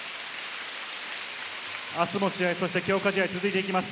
あすも試合、そして強化試合に続いていきます。